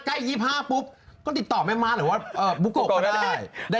๒๕ปุ๊บก็ติดต่อแม่ม้าหรือว่าบุโกะก็ได้